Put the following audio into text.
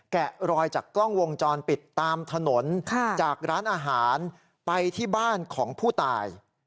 แกะรอยจากกล้องวงจรปิดตามถนนจากร้านอาหารไปที่บ้านของผู้ตาย